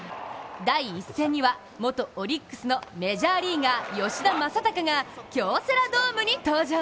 第１戦には、元オリックスのメジャーリーガー吉田正尚が京セラドームに登場。